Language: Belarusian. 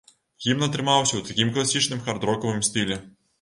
Гімн атрымаўся ў такім класічным хард-рокавым стылі.